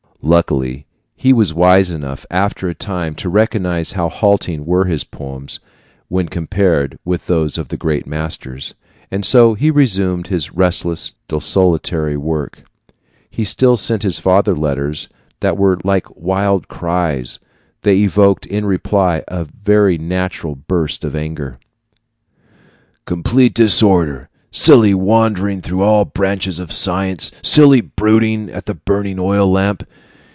Luckily, he was wise enough, after a time, to recognize how halting were his poems when compared with those of the great masters; and so he resumed his restless, desultory work. He still sent his father letters that were like wild cries. They evoked, in reply, a very natural burst of anger: Complete disorder, silly wandering through all branches of science, silly brooding at the burning oil lamp!